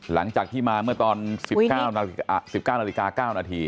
หลังจากที่มาเมื่อตอน๑๙นาฬิกา๙นาที